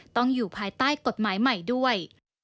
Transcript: ต้องอยู่ภายใต้กฎหมายใหม่ด้วย